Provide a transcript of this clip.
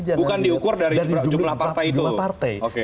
bukan diukur dari jumlah partai itu